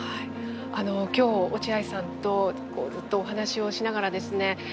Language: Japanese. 今日落合さんとずっとお話をしながらですね